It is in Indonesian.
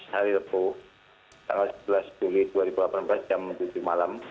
enam belas hari tepuh tanggal sebelas juli dua ribu delapan belas jam tujuh malam